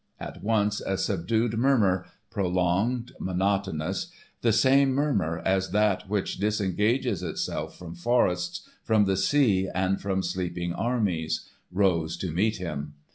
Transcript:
At once a subdued murmur, prolonged, monotonous,—the same murmur as that which disengages itself from forests, from the sea, and from sleeping armies,—rose to meet him.